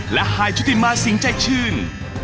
และหายชุติมาสิงห์ใจชื่น